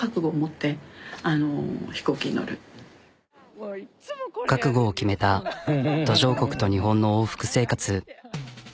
うんでだから覚悟を決めた途上国と日本の往復生活。